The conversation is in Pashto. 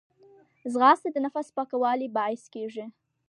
ځغاسته د نفس پاکوالي باعث کېږي